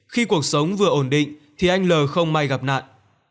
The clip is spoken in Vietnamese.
khi cuộc sống vừa ổn định thì anh l không may gặp nạn